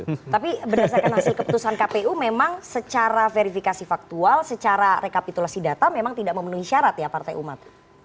tapi berdasarkan hasil keputusan kpu memang secara verifikasi faktual secara rekapitulasi data memang tidak memenuhi syarat ya partai umat